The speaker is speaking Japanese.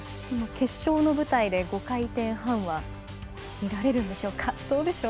決勝の舞台で５回転半は見られるんでしょうか。